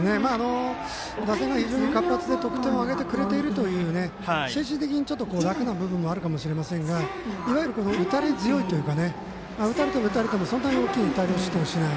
打線が非常に活発で得点を挙げてくれているという精神的にちょっと、楽な部分もあるかもしれませんがいわゆる打たれ強いというか打たれても打たれてもそんなに大量失点しない